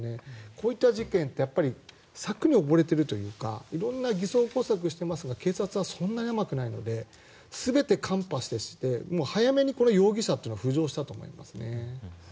こういった事件って策に溺れているというか色んな偽装工作をしてますが警察はそんなに弱くないので全て看破して早めに、この容疑者というのは浮上したと思いますね。